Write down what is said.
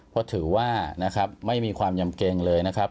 เพราะถือว่านะครับไม่มีความยำเกงเลยนะครับ